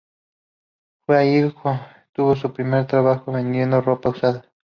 Fue allí que tuvo su primer trabajo, vendiendo ropa usada.